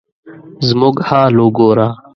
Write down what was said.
زموږ حال وګوره ؟